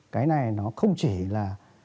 cái này nó không chỉ là